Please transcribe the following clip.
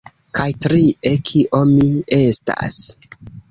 Kaj trie kio mi estas